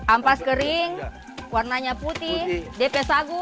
ampas kering warnanya putih dp sagu